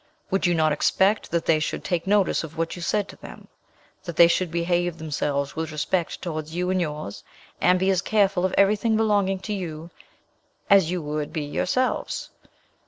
Would you not expect that they should take notice of what you said to them? that they should behave themselves with respect towards you and yours, and be as careful of everything belonging to you as you would be yourselves?